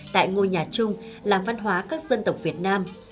tại ngôi nhà chung làng văn hóa các dân tộc việt nam